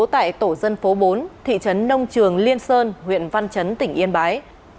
tại tổ dân phố bốn thị trấn nông trường liên sơn huyện văn chấn tỉnh yên bái